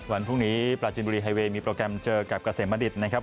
วันพรุ่งนี้ปราจินบุรีไฮเวย์มีโปรแกรมเจอกับเกษมณฑิตนะครับ